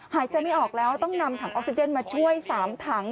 หายใจไม่ออกแล้วต้องนำถังออกซิเจนมาช่วย๓ถัง